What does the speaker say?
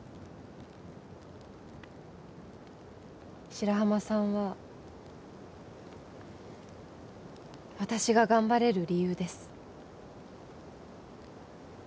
白浜さんは私が頑張れる理由です